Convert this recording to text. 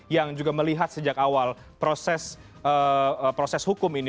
yang juga melihat sejak awal proses hukum ini